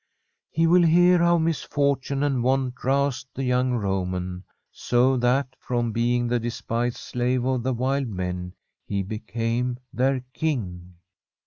He will hear how misfortune and want roused the young Roman, so that from being the despised slave of the wild men he became their King.